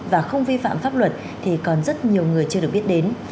và không vi phạm pháp luật thì còn rất nhiều người chưa được biết đến